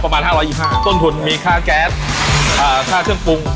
ประมาณห้าร้อยบาทต้นทุนมีค่าแก๊สอ่าค่าเครื่องปรุง